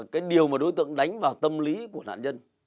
cái điều mà đối tượng đánh vào tâm lý của nạn nhân